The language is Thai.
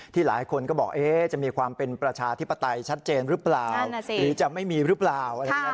ที่หลายคนก็บอกจะมีความเป็นประชาธิปไตรชัดเจนหรือเปล่าหรือจะไม่มีหรือเปล่า